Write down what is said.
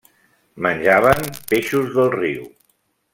Menjaven peixos del riu.